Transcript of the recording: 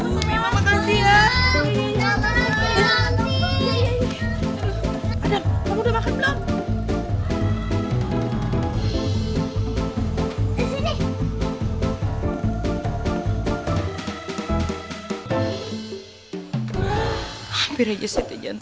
lama banget sih kalian